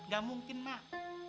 gak mungkin mak